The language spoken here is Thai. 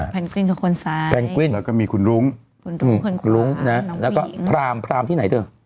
แพลงกวิ้นคือคนซ้ายแล้วก็มีคุณรุ้งแล้วก็พรามพรามที่ไหนเถอะ